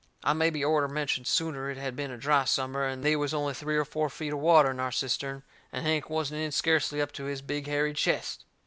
I mebby orter mentioned sooner it had been a dry summer and they was only three or four feet of water in our cistern, and Hank wasn't in scarcely up to his big hairy chest.